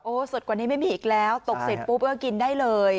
สดกว่านี้ไม่มีอีกแล้วตกเสร็จปุ๊บก็กินได้เลย